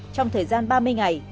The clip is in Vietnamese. trong thời gian ba mươi ngày